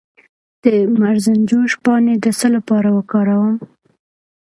د مرزنجوش پاڼې د څه لپاره وکاروم؟